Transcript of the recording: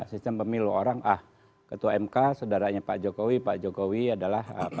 sistem pemilu orang ah ketua mk saudaranya pak jokowi pak jokowi adalah